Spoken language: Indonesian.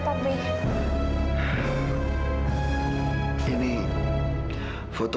aku gak mau